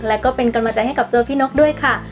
และก็เป็นกำลังใจให้กับตัวพี่นกด้วยค่ะ